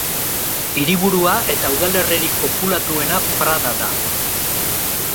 Hiriburua eta udalerririk populatuena Prada da.